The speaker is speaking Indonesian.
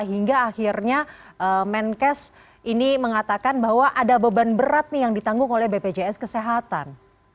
hingga akhirnya menkes ini mengatakan bahwa ada beban berat nih yang ditanggung oleh bpjs kesehatan